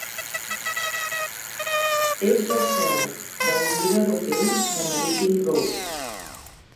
És la seu de la lliga d'hoquei de Maritime Road.